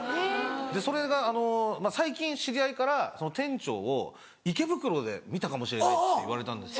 それがあのまぁ最近知り合いからその店長を池袋で見たかもしれないって言われたんですよ。